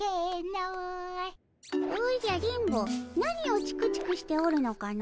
おじゃ電ボ何をチクチクしておるのかの？